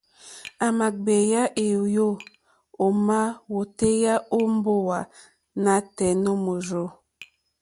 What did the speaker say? À mà gbèyá ŋwèyò ómá wótéyá ó mbówà nátɛ̀ɛ̀ nǒ mòrzô.